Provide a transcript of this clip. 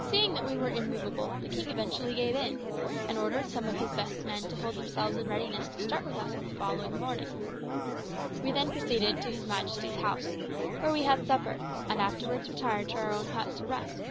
Seeing that we were immovable, the king eventually gave in, and ordered some of his best men to hold themselves in readiness to start with us on the following morning. We then proceeded to his majesty's house, where we had supper, and afterwards retired to our own hut to rest.